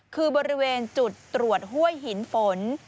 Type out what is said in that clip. คือบริเวณจุดตรวจห้วยหินฝน